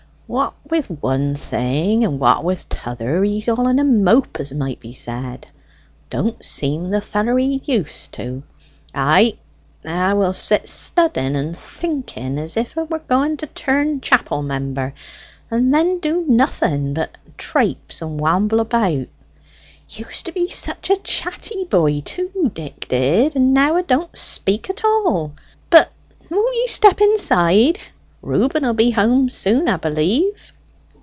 "What wi' one thing, and what wi' t'other, he's all in a mope, as might be said. Don't seem the feller he used to. Ay, 'a will sit studding and thinking as if 'a were going to turn chapel member, and then do nothing but traypse and wamble about. Used to be such a chatty boy, too, Dick did; and now 'a don't speak at all. But won't ye step inside? Reuben will be home soon, 'a b'lieve."